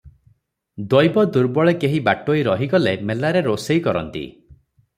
ଦୈବ ଦୁର୍ବଳେ କେହି ବାଟୋଇ ରହିଗଲେ ମେଲାରେ ରୋଷେଇ କରନ୍ତି ।